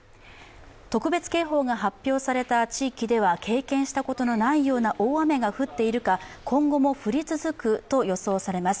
特別警報が発表された地域では経験したことがないような大雨が降っているか、今後も降り続くと予想されます。